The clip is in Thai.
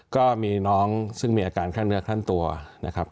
ก็มีน้องซึ่งมีอาการข้างเนื้อขั้นตัวนะครับ